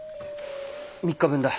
３日分だ。